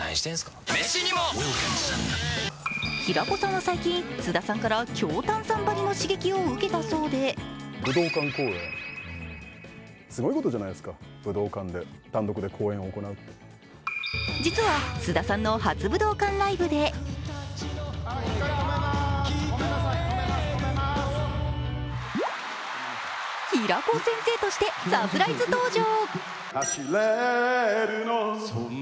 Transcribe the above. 平子さんは最近、菅田さんから強炭酸ばりの刺激を受けたそうで実は菅田さんの初武道館ライブで平子先生としてサプライズ登場。